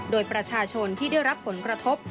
โดยประชาชนที่ได้รับผลกระทบ